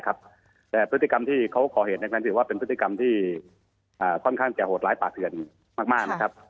แต่พฤติกรรมที่เขาก่อเหตุนั้นถือว่าเป็นพฤติกรรมที่ค่อนข้างจะโหดร้ายป่าเถื่อนมากนะครับ